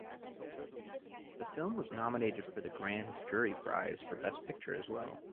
The film was nominated for the Grand Jury Prize for Best Picture as well.